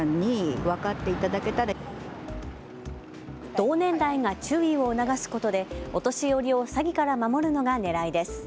同年代が注意を促すことでお年寄りを詐欺から守るのがねらいです。